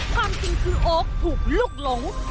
ความจริงคือโอ๊คถูกลุกหลง